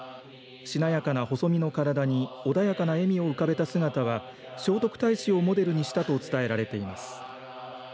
しなやかな細身の体に穏やかな笑みを浮かべた姿は聖徳太子をモデルにしたと伝えられています。